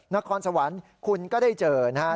นครสวรรค์คุณก็ได้เจอนะฮะ